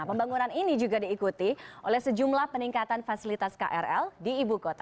pembangunan ini juga diikuti oleh sejumlah peningkatan fasilitas krl di ibu kota